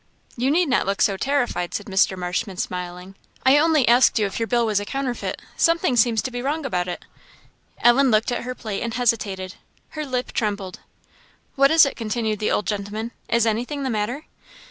"You need not look so terrified," said Mr. Marshman, smiling; "I only asked you if your bill was a counterfeit something seems to be wrong about it." Ellen looked at her plate and hesitated. Her lip trembled. "What is it?" continued the old gentleman. "Is anything the matter."